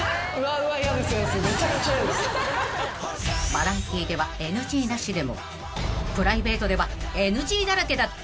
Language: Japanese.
［バラエティではＮＧなしでもプライベートではＮＧだらけだった］